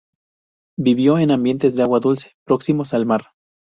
Vivió en ambientes de agua dulce próximos al mar.